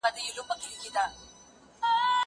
زه به اوږده موده سیر کړی وم؟